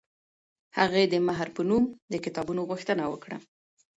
هغې د مهر په نوم د کتابونو غوښتنه وکړه.